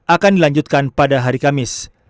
akan dilanjutkan pada hari kamis